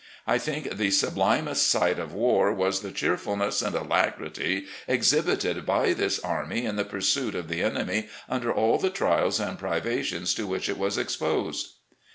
I think the sublimest sight of war was the cheerfulness and alacrity exhibited by this army in the pursuit of the enemy under all the trials and privations to which it was exposed.